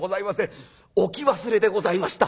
置き忘れでございました。